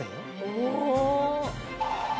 お！